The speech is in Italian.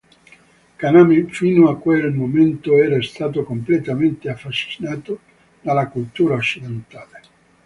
Kaname, fino a quel momento, era stato completamente affascinato dalla cultura occidentale.